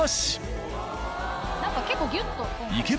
何か結構ギュッと今回。